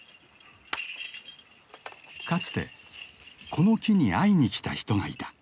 かつてこの木に会いにきた人がいた。